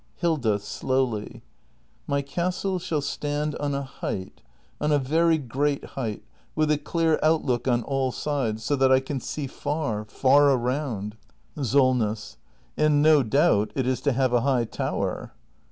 Hilda. [Slowly.] My castle shall stand on a height — on a very great height — with a clear outlook on all sides, so that I can see far — far around. SOLNESS. And no doubt it is to have a high tower!